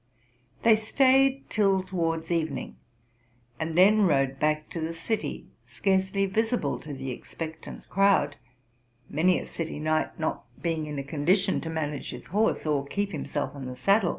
They staid till towards evening, and then rode back to the city, scarcely visible to the expectant crowd, many a city knight not being in a condition to manage his horse, or keep himself in the saddle.